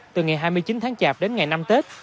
từ ngày hai mươi chín tháng chạp đến ngày năm tết